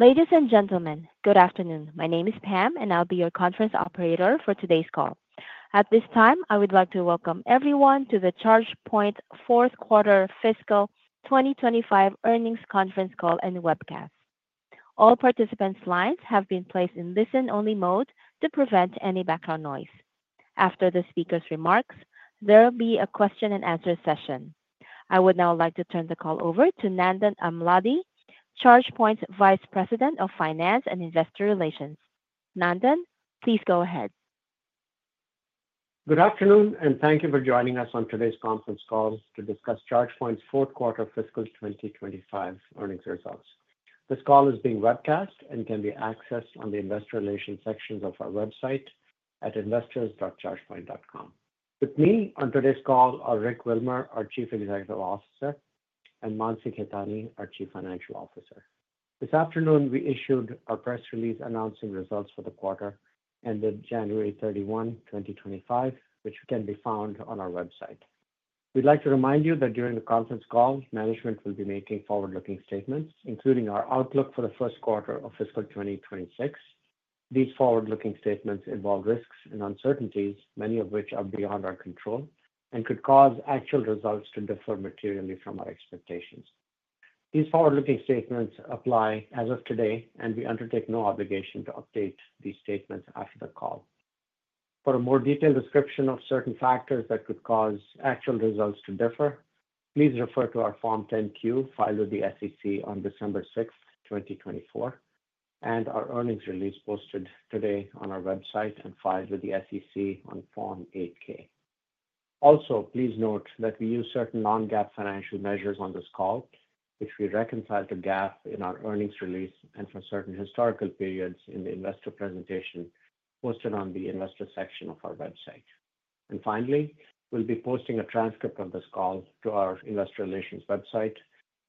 Ladies and gentlemen, good afternoon. My name is Pam, and I'll be your conference operator for today's call. At this time, I would like to welcome everyone to the ChargePoint fourth quarter fiscal 2025 earnings conference call and webcast. All participants' lines have been placed in listen-only mode to prevent any background noise. After the speakers' remarks, there will be a question-and-answer session. I would now like to turn the call over to Nandan Amladi, ChargePoint Vice President of Finance and Investor Relations. Nandan, please go ahead. Good afternoon, and thank you for joining us on today's conference call to discuss ChargePoint's fourth quarter fiscal 2025 earnings results. This call is being webcast and can be accessed on the Investor Relations section of our website at investors.chargepoint.com. With me on today's call are Rick Wilmer, our Chief Executive Officer, and Mansi Khetani, our Chief Financial Officer. This afternoon, we issued our press release announcing results for the quarter ended January 31, 2025, which can be found on our website. We'd like to remind you that during the conference call, management will be making forward-looking statements, including our outlook for the first quarter of fiscal 2026. These forward-looking statements involve risks and uncertainties, many of which are beyond our control and could cause actual results to differ materially from our expectations. These forward-looking statements apply as of today, and we undertake no obligation to update these statements after the call. For a more detailed description of certain factors that could cause actual results to differ, please refer to our Form 10-Q filed with the SEC on December 6, 2024, and our earnings release posted today on our website and filed with the SEC on Form 8-K. Also, please note that we use certain non-GAAP financial measures on this call, which we reconcile to GAAP in our earnings release and for certain historical periods in the investor presentation posted on the Investor section of our website. Finally, we will be posting a transcript of this call to our Investor Relations website,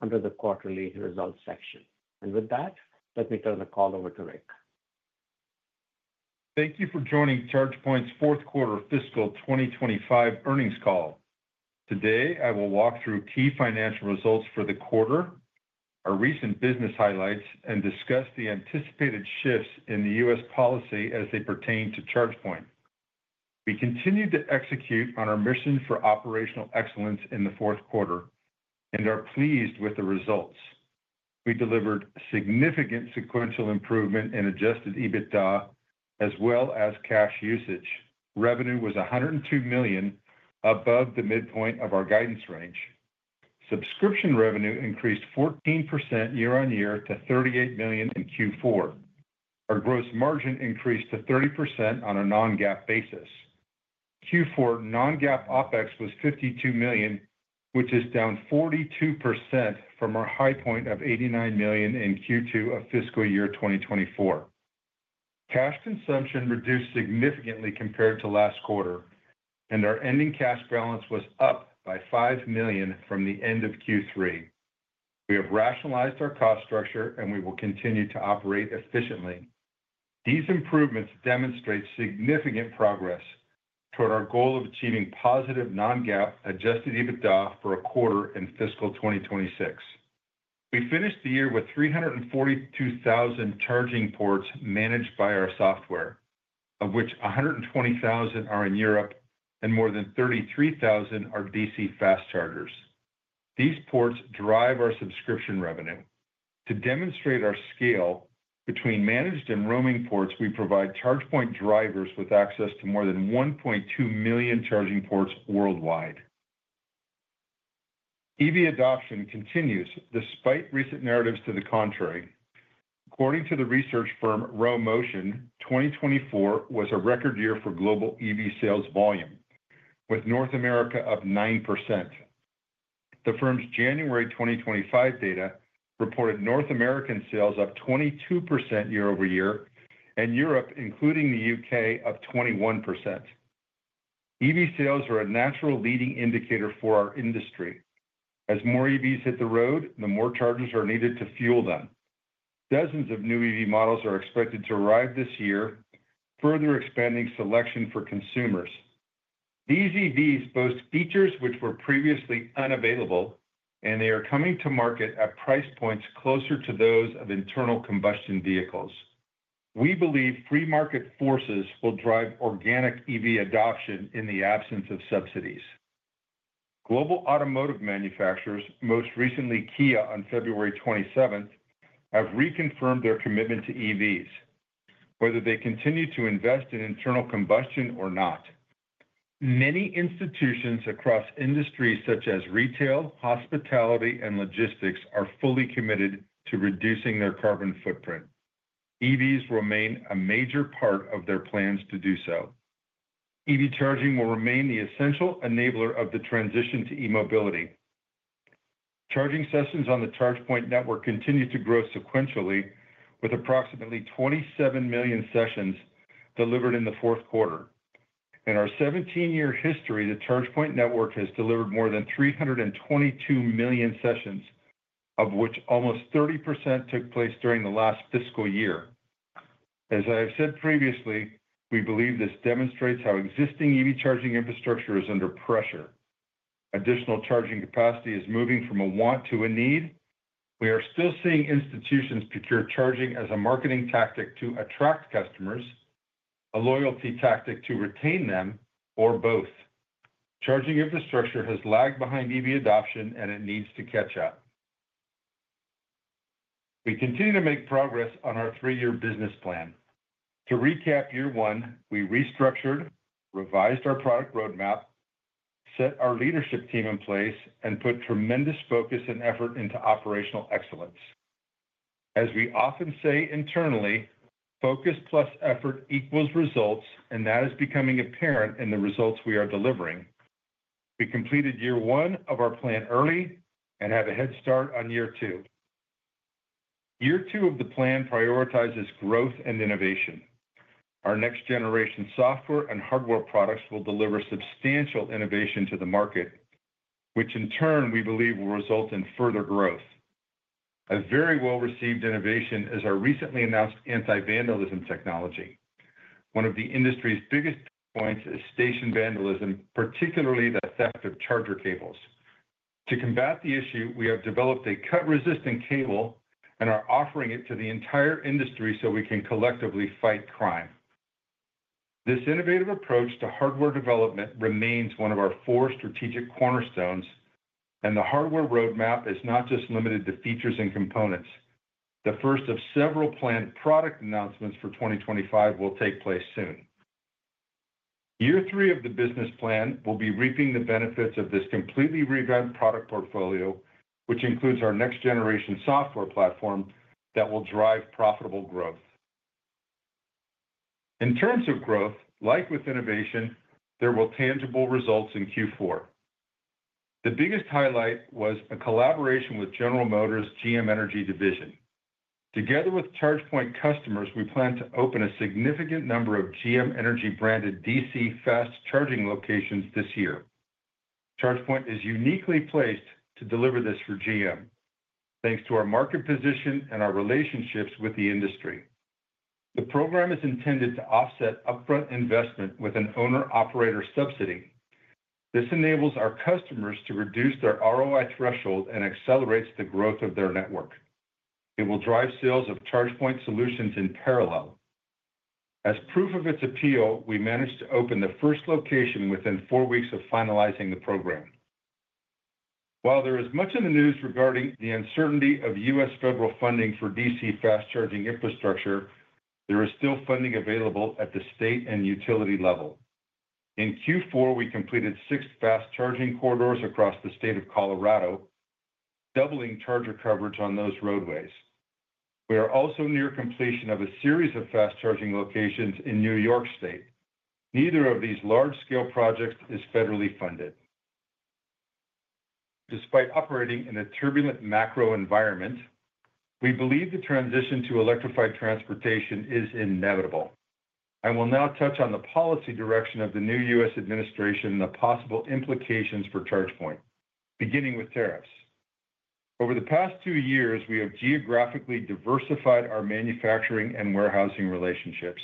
under the Quarterly Results section. With that, let me turn the call over to Rick. Thank you for joining ChargePoint's fourth quarter fiscal 2025 earnings call. Today, I will walk through key financial results for the quarter, our recent business highlights, and discuss the anticipated shifts in U.S. policy as they pertain to ChargePoint. We continue to execute on our mission for operational excellence in the fourth quarter and are pleased with the results. We delivered significant sequential improvement in adjusted EBITDA as well as cash usage. Revenue was $102 million above the midpoint of our guidance range. Subscription revenue increased 14% year-on-year to $38 million in Q4. Our gross margin increased to 30% on a non-GAAP basis. Q4 non-GAAP OpEx was $52 million, which is down 42% from our high point of $89 million in Q2 of fiscal year 2024. Cash consumption reduced significantly compared to last quarter, and our ending cash balance was up by $5 million from the end of Q3. We have rationalized our cost structure, and we will continue to operate efficiently. These improvements demonstrate significant progress toward our goal of achieving positive non-GAAP adjusted EBITDA for a quarter in fiscal 2026. We finished the year with 342,000 charging ports managed by our software, of which 120,000 are in Europe, and more than 33,000 are DC fast chargers. These ports drive our subscription revenue. To demonstrate our scale between managed and roaming ports, we provide ChargePoint drivers with access to more than 1.2 million charging ports worldwide. EV adoption continues despite recent narratives to the contrary. According to the research firm Rho Motion, 2024 was a record year for global EV sales volume, with North America up 9%. The firm's January 2025 data reported North American sales up 22% year-over-year and Europe, including the U.K., up 21%. EV sales are a natural leading indicator for our industry. As more EVs hit the road, the more chargers are needed to fuel them. Dozens of new EV models are expected to arrive this year, further expanding selection for consumers. These EVs boast features which were previously unavailable, and they are coming to market at price points closer to those of internal combustion vehicles. We believe free market forces will drive organic EV adoption in the absence of subsidies. Global automotive manufacturers, most recently Kia on February 27, have reconfirmed their commitment to EVs, whether they continue to invest in internal combustion or not. Many institutions across industries such as retail, hospitality, and logistics are fully committed to reducing their carbon footprint. EVs remain a major part of their plans to do so. EV charging will remain the essential enabler of the transition to e-mobility. Charging sessions on the ChargePoint network continue to grow sequentially, with approximately 27 million sessions delivered in the fourth quarter. In our 17-year history, the ChargePoint network has delivered more than 322 million sessions, of which almost 30% took place during the last fiscal year. As I have said previously, we believe this demonstrates how existing EV charging infrastructure is under pressure. Additional charging capacity is moving from a want to a need. We are still seeing institutions procure charging as a marketing tactic to attract customers, a loyalty tactic to retain them, or both. Charging infrastructure has lagged behind EV adoption, and it needs to catch up. We continue to make progress on our three-year business plan. To recap year one, we restructured, revised our product roadmap, set our leadership team in place, and put tremendous focus and effort into operational excellence. As we often say internally, focus plus effort equals results, and that is becoming apparent in the results we are delivering. We completed year one of our plan early and have a head start on year two. Year two of the plan prioritizes growth and innovation. Our next-generation software and hardware products will deliver substantial innovation to the market, which in turn we believe will result in further growth. A very well-received innovation is our recently announced anti-vandalism technology. One of the industry's biggest points is station vandalism, particularly the theft of charger cables. To combat the issue, we have developed a cut-resistant cable and are offering it to the entire industry so we can collectively fight crime. This innovative approach to hardware development remains one of our four strategic cornerstones, and the hardware roadmap is not just limited to features and components. The first of several planned product announcements for 2025 will take place soon. Year three of the business plan will be reaping the benefits of this completely revamped product portfolio, which includes our next-generation software platform that will drive profitable growth. In terms of growth, like with innovation, there were tangible results in Q4. The biggest highlight was a collaboration with General Motors' GM Energy division. Together with ChargePoint customers, we plan to open a significant number of GM Energy-branded DC fast charging locations this year. ChargePoint is uniquely placed to deliver this for GM, thanks to our market position and our relationships with the industry. The program is intended to offset upfront investment with an owner-operator subsidy. This enables our customers to reduce their ROI threshold and accelerates the growth of their network. It will drive sales of ChargePoint solutions in parallel. As proof of its appeal, we managed to open the first location within four weeks of finalizing the program. While there is much in the news regarding the uncertainty of U.S. federal funding for DC fast charging infrastructure, there is still funding available at the state and utility level. In Q4, we completed six fast charging corridors across the state of Colorado, doubling charger coverage on those roadways. We are also near completion of a series of fast charging locations in New York State. Neither of these large-scale projects is federally funded. Despite operating in a turbulent macro environment, we believe the transition to electrified transportation is inevitable. I will now touch on the policy direction of the new U.S. administration and the possible implications for ChargePoint, beginning with tariffs. Over the past two years, we have geographically diversified our manufacturing and warehousing relationships.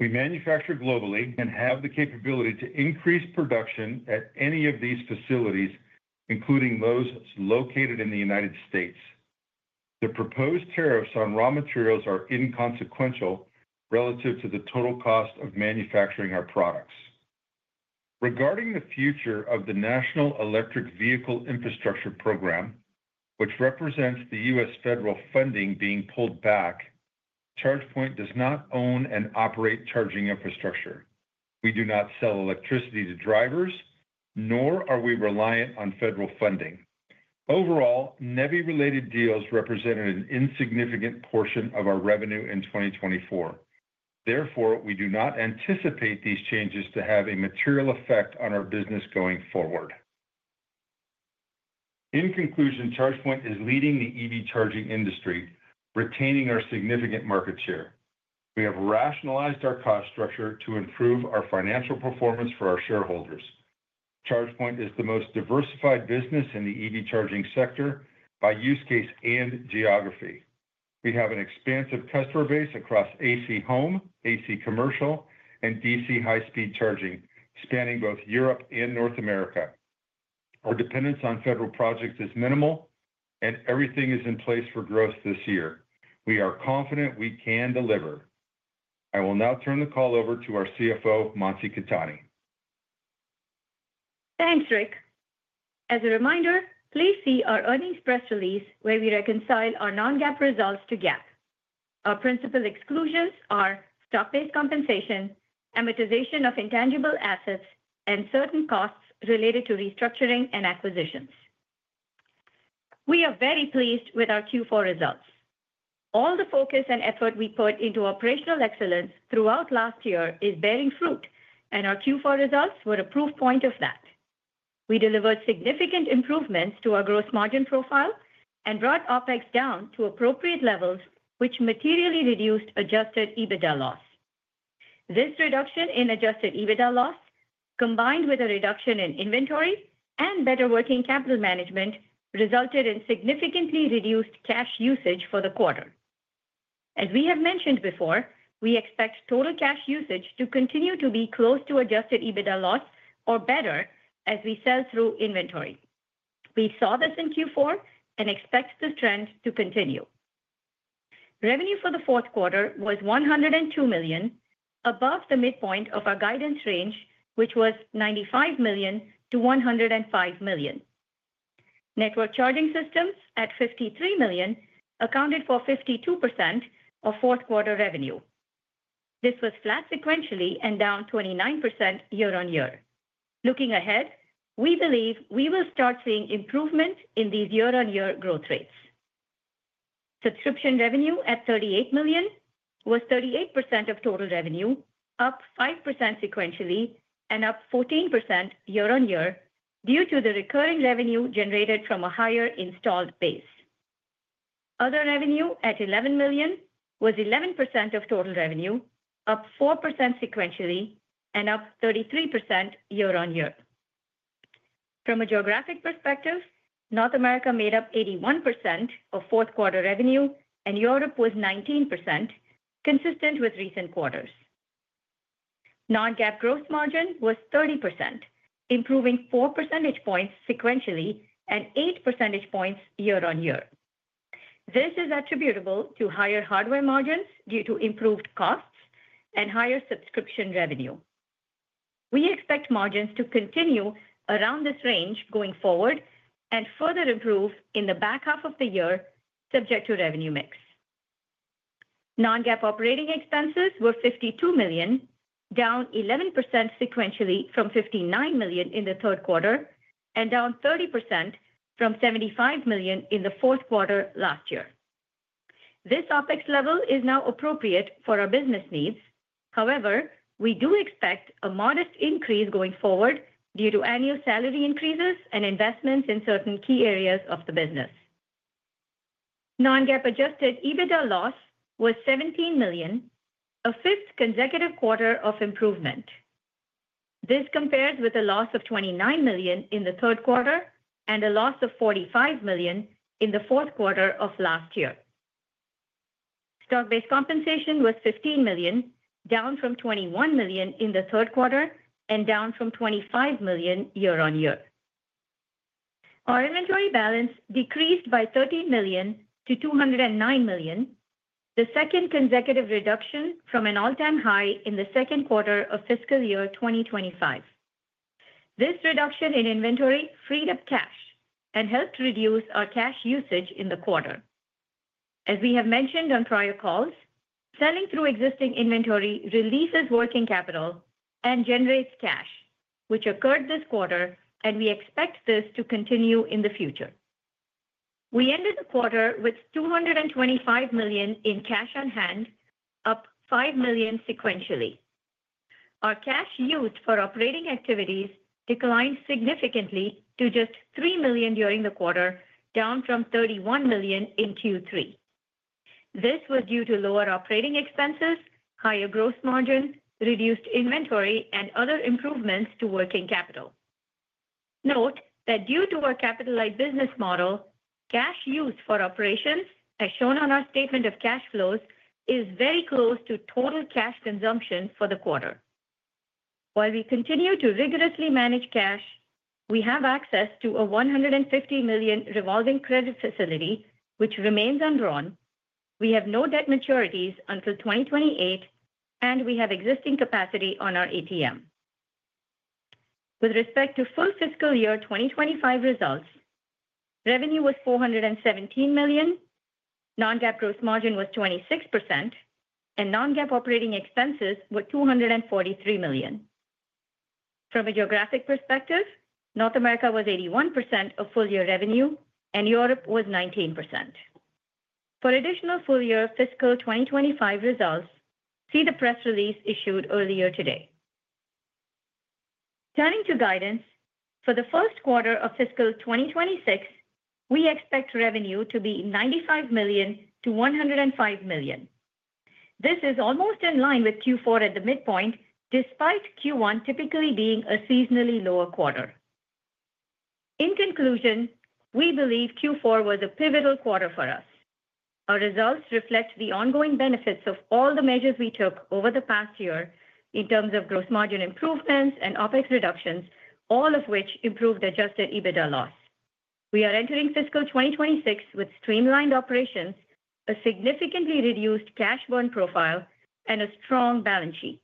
We manufacture globally and have the capability to increase production at any of these facilities, including those located in the United States. The proposed tariffs on raw materials are inconsequential relative to the total cost of manufacturing our products. Regarding the future of the National Electric Vehicle Infrastructure Program, which represents the U.S. federal funding being pulled back, ChargePoint does not own, and operate charging infrastructure. We do not sell electricity to drivers, nor are we reliant on federal funding. Overall, NEVI-related deals represented an insignificant portion of our revenue in 2024. Therefore, we do not anticipate these changes to have a material effect on our business going forward. In conclusion, ChargePoint is leading the EV charging industry, retaining our significant market share. We have rationalized our cost structure to improve our financial performance for our shareholders. ChargePoint is the most diversified business in the EV charging sector by use case and geography. We have an expansive customer base across AC home, AC commercial, and DC high-speed charging, spanning both Europe and North America. Our dependence on federal projects is minimal, and everything is in place for growth this year. We are confident we can deliver. I will now turn the call over to our CFO, Mansi Khetani. Thanks, Rick. As a reminder, please see our earnings press release, where we reconcile our non-GAAP results to GAAP. Our principal exclusions are stock-based compensation, amortization of intangible assets, and certain costs related to restructuring and acquisitions. We are very pleased with our Q4 results. All the focus and effort we put into operational excellence throughout last year is bearing fruit, and our Q4 results were a proof point of that. We delivered significant improvements to our gross margin profile and brought OpEx down to appropriate levels, which materially reduced adjusted EBITDA loss. This reduction in adjusted EBITDA loss, combined with a reduction in inventory and better working capital management, resulted in significantly reduced cash usage for the quarter. As we have mentioned before, we expect total cash usage to continue to be close to adjusted EBITDA loss or better as we sell through inventory. We saw this in Q4 and expect this trend to continue. Revenue for the fourth quarter was $102 million, above the midpoint of our guidance range, which was $95 million-$105 million. Network charging systems at $53 million accounted for 52% of fourth quarter revenue. This was flat sequentially and down 29% year-on-year. Looking ahead, we believe we will start seeing improvement in these year-on-year growth rates. Subscription revenue at $38 million was 38% of total revenue, up 5% sequentially and up 14% year-on-year due to the recurring revenue generated from a higher installed base. Other revenue at $11 million was 11% of total revenue, up 4% sequentially and up 33% year-on-year. From a geographic perspective, North America made up 81% of fourth quarter revenue, and Europe was 19%, consistent with recent quarters. Non-GAAP gross margin was 30%, improving 4 percentage points sequentially and 8 percentage points year-on-year. This is attributable to higher hardware margins due to improved costs and higher subscription revenue. We expect margins to continue around this range going forward and further improve in the back half of the year subject to revenue mix. Non-GAAP operating expenses were $52 million, down 11% sequentially from $59 million in the third quarter and down 30% from $75 million in the fourth quarter last year. This OpEx level is now appropriate for our business needs. However, we do expect a modest increase going forward due to annual salary increases and investments in certain key areas of the business. Non-GAAP adjusted EBITDA loss was $17 million, a fifth consecutive quarter of improvement. This compares with a loss of $29 million in the third quarter and a loss of $45 million in the fourth quarter of last year. Stock-based compensation was $15 million, down from $21 million in the third quarter and down from $25 million year-on-year. Our inventory balance decreased by $13 million to $209 million, the second consecutive reduction from an all-time high in the second quarter of fiscal year 2025. This reduction in inventory freed up cash and helped reduce our cash usage in the quarter. As we have mentioned on prior calls, selling through existing inventory releases working capital and generates cash, which occurred this quarter, and we expect this to continue in the future. We ended the quarter with $225 million in cash on hand, up $5 million sequentially. Our cash used for operating activities declined significantly to just $3 million during the quarter, down from $31 million in Q3. This was due to lower operating expenses, higher gross margin, reduced inventory, and other improvements to working capital. Note that due to our capital-light business model, cash used for operations, as shown on our statement of cash flows, is very close to total cash consumption for the quarter. While we continue to rigorously manage cash, we have access to a $150 million revolving credit facility, which remains undrawn. We have no debt maturities until 2028, and we have existing capacity on our ATM. With respect to full fiscal year 2025 results, revenue was $417 million, non-GAAP gross margin was 26%, and non-GAAP operating expenses were $243 million. From a geographic perspective, North America was 81% of full year revenue, and Europe was 19%. For additional full-year fiscal 2025 results, see the press release issued earlier today. Turning to guidance, for the first quarter of fiscal 2026, we expect revenue to be $95 million-$105 million. This is almost in line with Q4 at the midpoint, despite Q1 typically being a seasonally lower quarter. In conclusion, we believe Q4 was a pivotal quarter for us. Our results reflect the ongoing benefits of all the measures we took over the past year in terms of gross margin improvements and OpEx reductions, all of which improved adjusted EBITDA loss. We are entering fiscal 2026 with streamlined operations, a significantly reduced cash burn profile, and a strong balance sheet.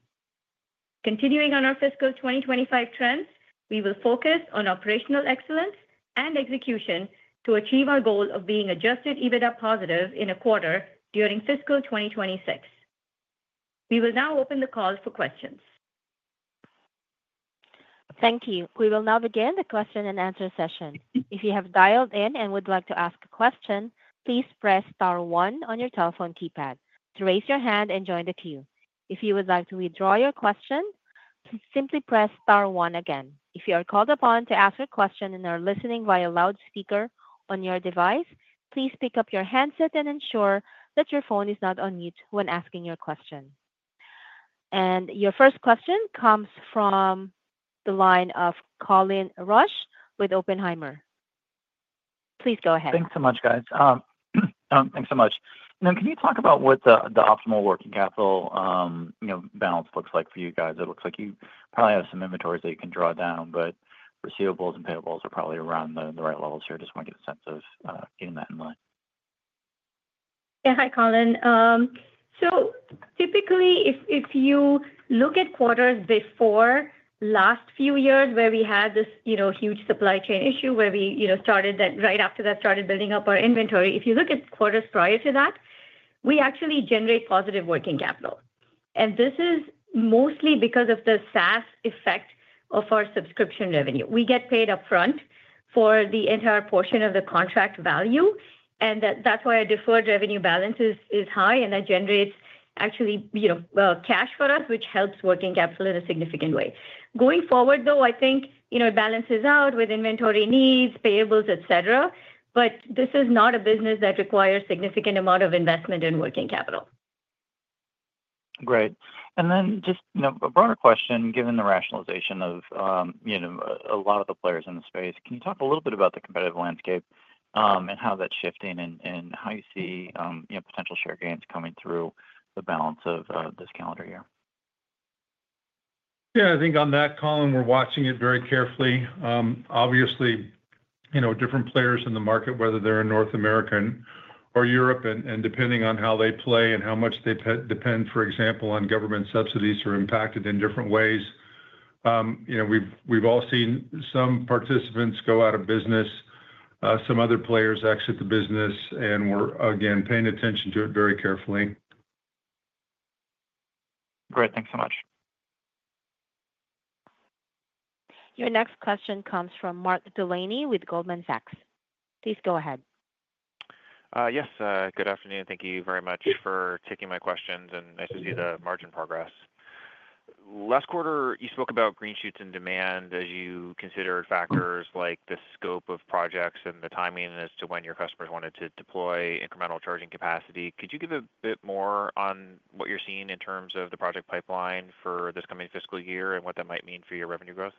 Continuing on our fiscal 2025 trends, we will focus on operational excellence and execution to achieve our goal of being adjusted EBITDA positive in a quarter during fiscal 2026. We will now open the call for questions. Thank you. We will now begin the question-and-answer session. If you have dialed in and would like to ask a question, please press star one on your telephone keypad to raise your hand and join the queue. If you would like to withdraw your question, please simply press star one again. If you are called upon to ask a question and are listening via loudspeaker on your device, please pick up your handset and ensure that your phone is not on mute when asking your question. Your first question comes from the line of Colin Rusch with Oppenheimer. Please go ahead. Thanks so much, guys. Thanks so much. Now, can you talk about what the optimal working capital balance looks like for you guys? It looks like you probably have some inventories that you can draw down, but receivables and payables are probably around the right levels here. I just want to get a sense of getting that in line. Yeah, hi, Colin. Typically, if you look at quarters before the last few years where we had this huge supply chain issue where we started that right after that started building up our inventory, if you look at quarters prior to that, we actually generate positive working capital. This is mostly because of the SaaS effect of our subscription revenue. We get paid upfront for the entire portion of the contract value, and that's why our deferred revenue balance is high, and that actually generates cash for us, which helps working capital in a significant way. Going forward, though, I think it balances out with inventory needs, payables, et cetera, but this is not a business that requires a significant amount of investment in working capital. Great. Just a broader question, given the rationalization of a lot of the players in the space, can you talk a little bit about the competitive landscape and how that's shifting and how you see potential share gains coming through the balance of this calendar year? Yeah, I think on that column, we're watching it very carefully. Obviously, different players in the market, whether they're in North America or Europe, and depending on how they play and how much they depend, for example, on government subsidies, are impacted in different ways. We've all seen some participants go out of business, some other players exit the business, and we're, again, paying attention to it very carefully. Great. Thanks so much. Your next question comes from Mark Delaney with Goldman Sachs. Please go ahead. Yes. Good afternoon. Thank you very much for taking my questions, and nice to see the margin progress. Last quarter, you spoke about green shoots in demand as you considered factors like the scope of projects and the timing as to when your customers wanted to deploy incremental charging capacity. Could you give a bit more on what you're seeing in terms of the project pipeline for this coming fiscal year and what that might mean for your revenue growth?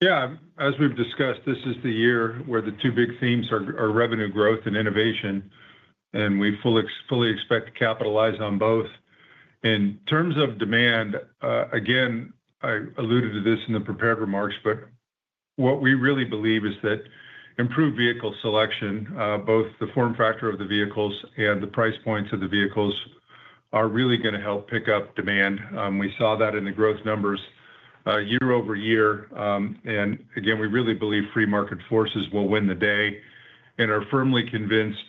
Yeah. As we've discussed, this is the year where the two big themes are revenue growth and innovation, and we fully expect to capitalize on both. In terms of demand, again, I alluded to this in the prepared remarks, but what we really believe is that improved vehicle selection, both the form factor of the vehicles and the price points of the vehicles, are really going to help pick up demand. We saw that in the growth numbers year-over-year. We really believe free market forces will win the day and are firmly convinced,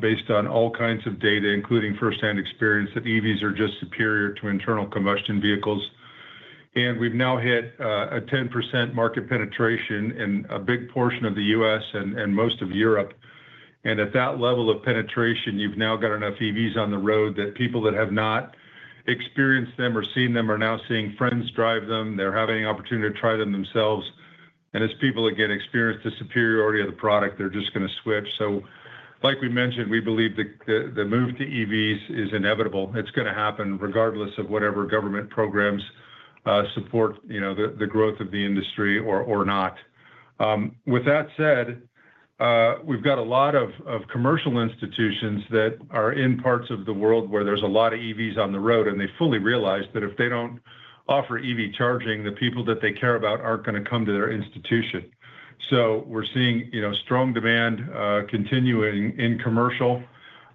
based on all kinds of data, including firsthand experience, that EVs are just superior to internal combustion vehicles. We've now hit a 10% market penetration in a big portion of the U.S. and most of Europe. At that level of penetration, you've now got enough EVs on the road that people that have not experienced them or seen them are now seeing friends drive them. They're having the opportunity to try them themselves. As people, again, experience the superiority of the product, they're just going to switch. Like we mentioned, we believe that the move to EVs is inevitable. It's going to happen regardless of whatever government programs support the growth of the industry or not. With that said, we've got a lot of commercial institutions that are in parts of the world where there's a lot of EVs on the road, and they fully realize that if they don't offer EV charging, the people that they care about aren't going to come to their institution. We're seeing strong demand continuing in commercial.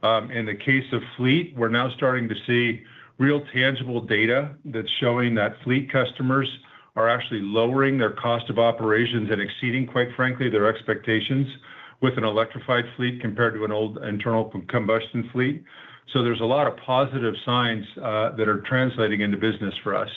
In the case of fleet, we're now starting to see real tangible data that's showing that fleet customers are actually lowering their cost of operations and exceeding, quite frankly, their expectations with an electrified fleet compared to an old internal combustion fleet. There is a lot of positive signs that are translating into business for us.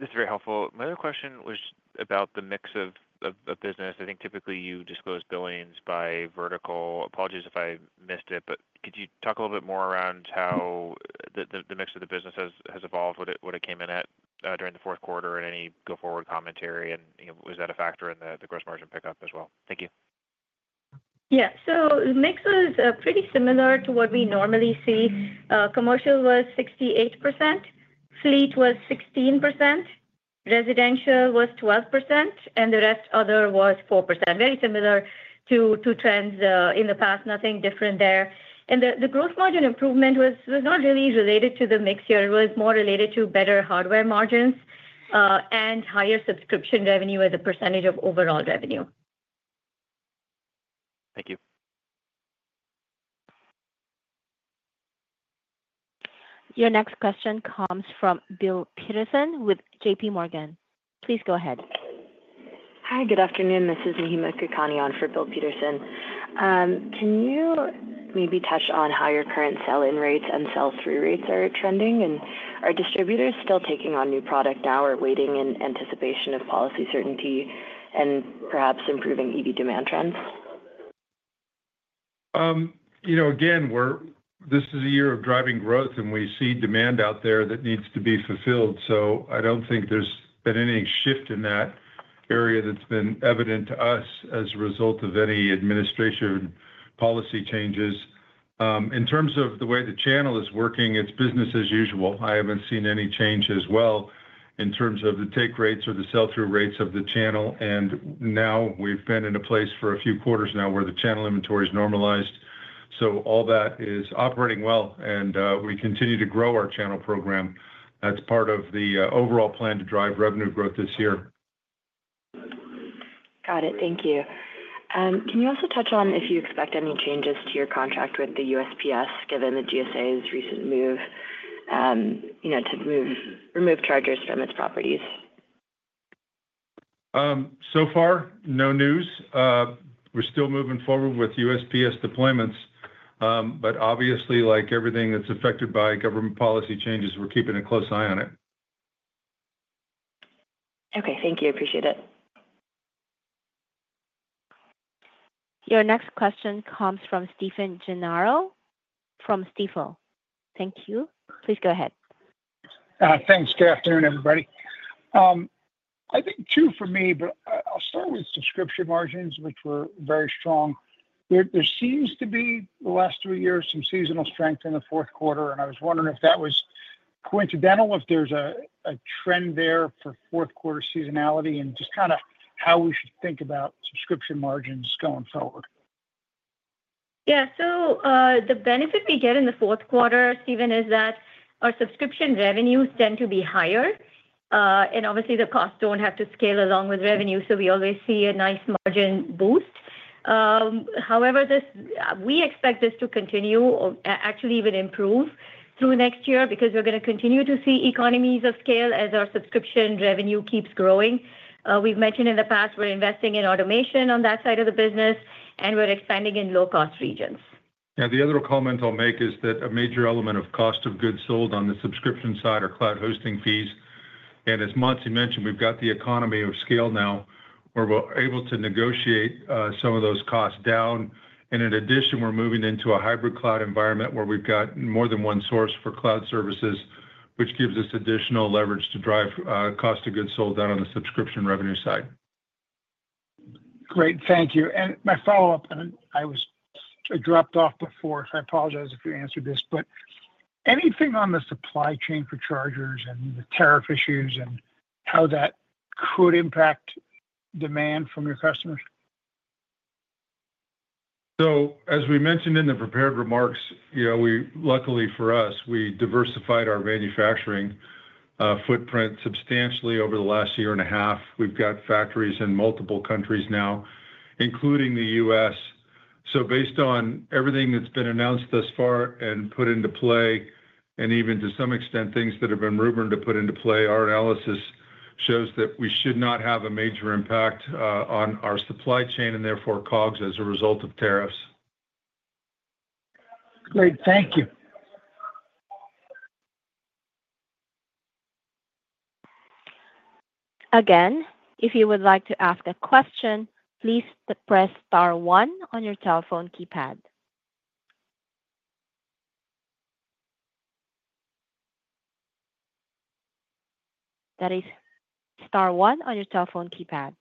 This is very helpful. My other question was about the mix of the business. I think typically you disclose billings by vertical. Apologies if I missed it, but could you talk a little bit more around how the mix of the business has evolved, what it came in at during the fourth quarter, and any go-forward commentary? Was that a factor in the gross margin pickup as well? Thank you. Yeah. The mix was pretty similar to what we normally see. Commercial was 68%, fleet was 16%, residential was 12%, and the rest other was 4%. Very similar to trends in the past, nothing different there. The gross margin improvement was not really related to the mix here. It was more related to better hardware margins and higher subscription revenue as a percentage of overall revenue. Thank you. Your next question comes from Bill Peterson with JPMorgan. Please go ahead. Hi, good afternoon. This is Mahima Kakani on for Bill Peterson. Can you maybe touch on how your current sell-in rates and sell-through rates are trending? Are distributors still taking on new product now or waiting in anticipation of policy certainty and perhaps improving EV demand trends? Again, this is a year of driving growth, and we see demand out there that needs to be fulfilled. I do not think there has been any shift in that area that has been evident to us as a result of any administration policy changes. In terms of the way the channel is working, it is business as usual. I have not seen any change as well in terms of the take rates or the sell-through rates of the channel. We have been in a place for a few quarters now where the channel inventory has normalized. All that is operating well, and we continue to grow our channel program. That is part of the overall plan to drive revenue growth this year. Got it. Thank you. Can you also touch on if you expect any changes to your contract with the USPS, given the GSA's recent move to remove chargers from its properties? So far, no news. We're still moving forward with USPS deployments, but obviously, like everything that's affected by government policy changes, we're keeping a close eye on it. Okay. Thank you. Appreciate it. Your next question comes from Stephen Gengaro from Stifel. Thank you. Please go ahead. Thanks. Good afternoon, everybody. I think two for me, but I'll start with subscription margins, which were very strong. There seems to be, the last three years, some seasonal strength in the fourth quarter, and I was wondering if that was coincidental, if there's a trend there for fourth quarter seasonality, and just kind of how we should think about subscription margins going forward. Yeah. The benefit we get in the fourth quarter, Stephen, is that our subscription revenues tend to be higher, and obviously, the costs do not have to scale along with revenue, so we always see a nice margin boost. However, we expect this to continue, actually even improve through next year because we are going to continue to see economies of scale as our subscription revenue keeps growing. We have mentioned in the past we are investing in automation on that side of the business, and we are expanding in low-cost regions. Yeah. The other comment I'll make is that a major element of cost of goods sold on the subscription side are cloud hosting fees. As Mansi mentioned, we've got the economy of scale now where we're able to negotiate some of those costs down. In addition, we're moving into a hybrid cloud environment where we've got more than one source for cloud services, which gives us additional leverage to drive cost of goods sold down on the subscription revenue side. Great. Thank you. My follow-up, I was dropped off before, so I apologize if you answered this, but anything on the supply chain for chargers and the tariff issues and how that could impact demand from your customers? As we mentioned in the prepared remarks, luckily for us, we diversified our manufacturing footprint substantially over the last year and a half. We've got factories in multiple countries now, including the U.S. Based on everything that's been announced thus far and put into play, and even to some extent, things that have been rumored to put into play, our analysis shows that we should not have a major impact on our supply chain and therefore COGS as a result of tariffs. Great. Thank you. Again, if you would like to ask a question, please press star one on your telephone keypad. That is star one on your telephone keypad.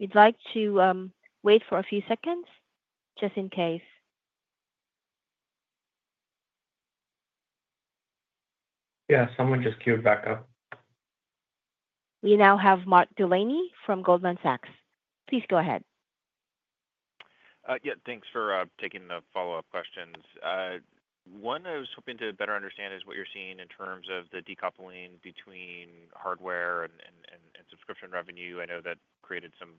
We'd like to wait for a few seconds just in case. Yeah. Someone just queued back up. We now have Mark Delaney from Goldman Sachs. Please go ahead. Yeah. Thanks for taking the follow-up questions. One I was hoping to better understand is what you're seeing in terms of the decoupling between hardware and subscription revenue. I know that created some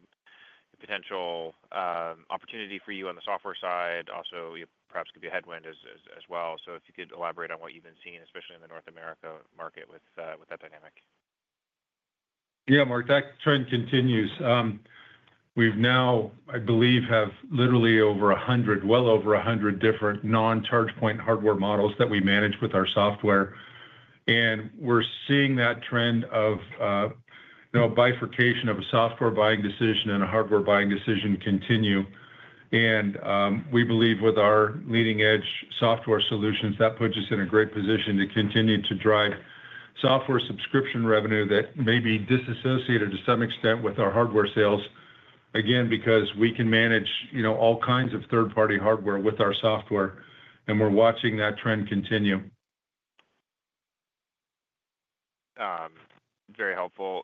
potential opportunity for you on the software side. Also, perhaps give you a headwind as well. If you could elaborate on what you've been seeing, especially in the North America market with that dynamic. Yeah, Mark, that trend continues. We've now, I believe, have literally well over 100 different non-ChargePoint hardware models that we manage with our software. We are seeing that trend of bifurcation of a software buying decision and a hardware buying decision continue. We believe with our leading-edge software solutions, that puts us in a great position to continue to drive software subscription revenue that may be disassociated to some extent with our hardware sales, again, because we can manage all kinds of third-party hardware with our software, and we are watching that trend continue. Very helpful.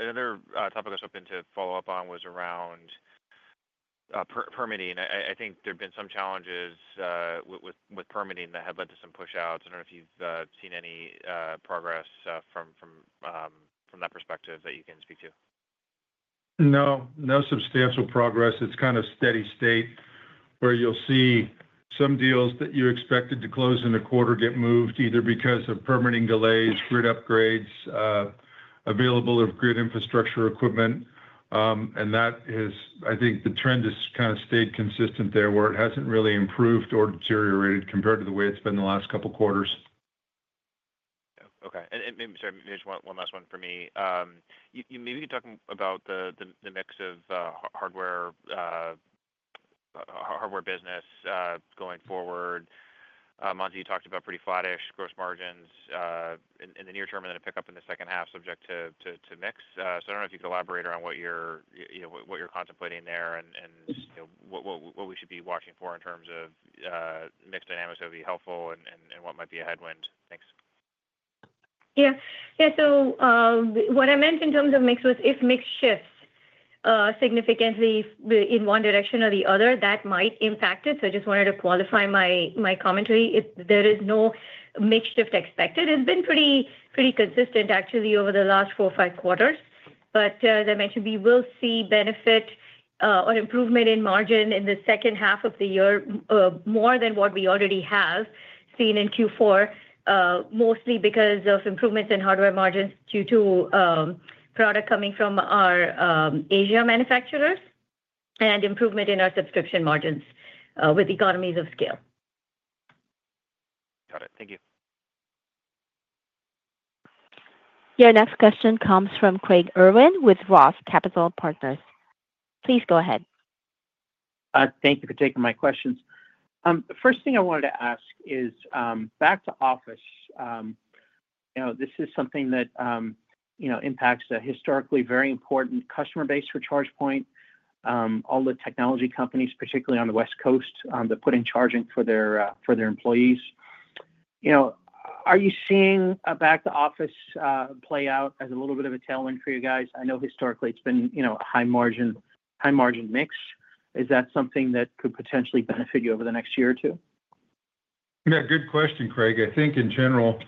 Another topic I was hoping to follow up on was around permitting. I think there have been some challenges with permitting that have led to some push-outs. I don't know if you've seen any progress from that perspective that you can speak to. No. No substantial progress. It's kind of steady state where you'll see some deals that you expected to close in a quarter get moved either because of permitting delays, grid upgrades, availability of grid infrastructure equipment. I think the trend has kind of stayed consistent there where it hasn't really improved or deteriorated compared to the way it's been the last couple of quarters. Okay. Sorry, maybe just one last one for me. Maybe you could talk about the mix of hardware business going forward. Mansi, you talked about pretty flattish gross margins in the near term and then a pickup in the second half subject to mix. I do not know if you could elaborate around what you are contemplating there and what we should be watching for in terms of mix dynamics that would be helpful, and what might be a headwind. Thanks. Yeah. Yeah. What I meant in terms of mix was if mix shifts significantly in one direction or the other, that might impact it. I just wanted to qualify my commentary. There is no mix shift expected. It's been pretty consistent, actually, over the last four or five quarters. As I mentioned, we will see benefit or improvement in margin in the second half of the year more than what we already have seen in Q4, mostly because of improvements in hardware margins due to product coming from our Asia manufacturers and improvement in our subscription margins with economies of scale. Got it. Thank you. Your next question comes from Craig Irwin with Roth Capital Partners. Please go ahead. Thank you for taking my questions. First thing I wanted to ask is back to office. This is something that impacts a historically very important customer base for ChargePoint. All the technology companies, particularly on the West Coast, that put in charging for their employees. Are you seeing a back-to-office play out as a little bit of a tailwind for you guys? I know historically it's been a high-margin mix. Is that something that could potentially benefit you over the next year or two? Yeah. Good question, Craig. I think in general,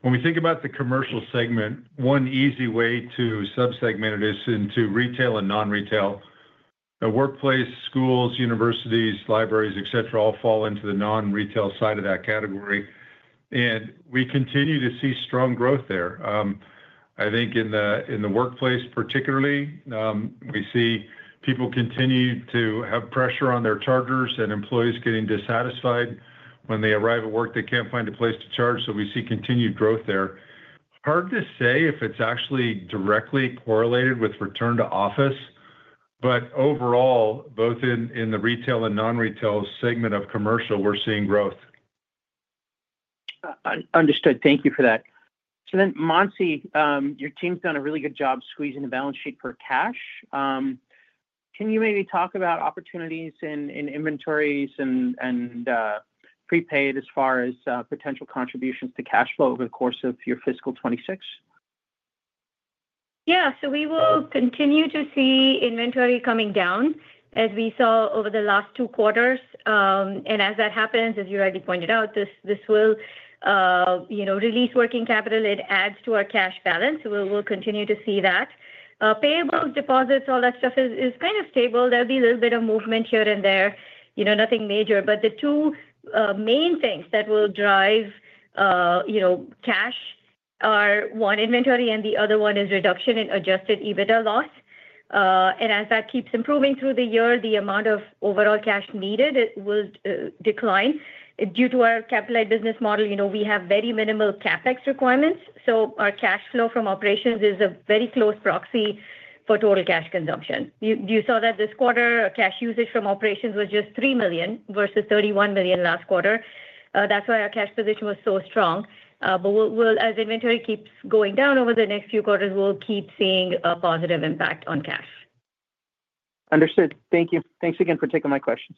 when we think about the commercial segment, one easy way to subsegment it is into retail and non-retail. Workplace, schools, universities, libraries, etc., all fall into the non-retail side of that category. We continue to see strong growth there. I think in the workplace particularly, we see people continue to have pressure on their chargers and employees getting dissatisfied. When they arrive at work, they can't find a place to charge, so we see continued growth there. Hard to say if it's actually directly correlated with return to office, but overall, both in the retail and non-retail segment of commercial, we're seeing growth. Understood. Thank you for that. Mansi, your team's done a really good job squeezing the balance sheet for cash. Can you maybe talk about opportunities in inventories and prepaid as far as potential contributions to cash flow over the course of your fiscal 2026? Yeah. We will continue to see inventory coming down as we saw over the last two quarters. As that happens, as you already pointed out, this will release working capital. It adds to our cash balance. We'll continue to see that. Payables, deposits, all that stuff is kind of stable. There'll be a little bit of movement here and there, nothing major. The two main things that will drive cash are one, inventory, and the other one is reduction in adjusted EBITDA loss. As that keeps improving through the year, the amount of overall cash needed will decline. Due to our capital-light business model, we have very minimal CapEx requirements. Our cash flow from operations is a very close proxy for total cash consumption. You saw that this quarter, our cash usage from operations was just $3 million versus $31 million last quarter. That's why our cash position was so strong. As inventory keeps going down over the next few quarters, we'll keep seeing a positive impact on cash. Understood. Thank you. Thanks again for taking my questions.